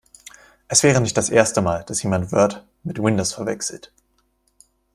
Es wäre nicht das erste Mal, dass jemand Word mit Windows verwechselt.